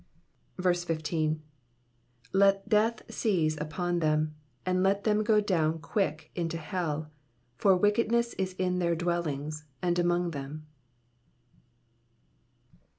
15 Let death seize upon them, and let them go down quick into hell : for wickedness is in their dwellings, and among them.